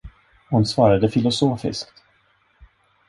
Hon svarade filosofiskt.